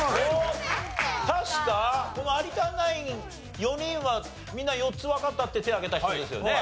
確かこの有田ナイン４人はみんな４つわかったって手をあげた人ですよね。